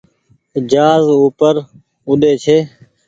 جهآز اوپر اوڏي ڇي۔